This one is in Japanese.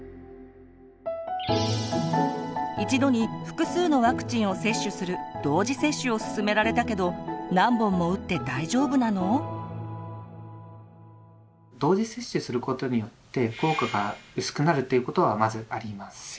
一度に複数のワクチンを接種する同時接種することによって効果が薄くなるということはまずありません。